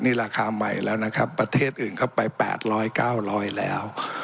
นี่ราคาใหม่แล้วนะครับประเทศอื่นเข้าไปแปดร้อยเก้าร้อยแล้ว